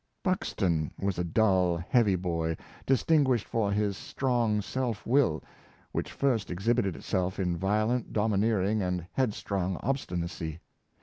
Buxton was a dull, heavy boy, distinguished for his strong self will, which first exhibited itself in violent, domineering, and headstrong obstinacy.